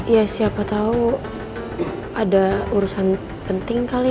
ya siapa tahu ada urusan penting kali